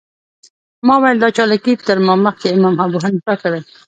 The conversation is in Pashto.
ما ویل دا چالاکي تر ما مخکې امام ابوحنیفه کړې.